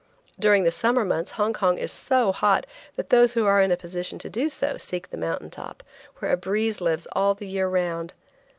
During the summer months Hong Kong is so hot that those who are in a position to do so seek the mountain top, where a breeze lives all the year round.